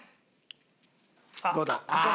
どうだ？